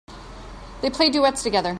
They play duets together.